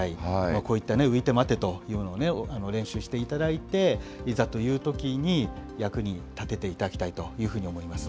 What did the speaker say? こういったういてまてというのを練習していただいて、いざというときに役に立てていただきたいというふうに思います。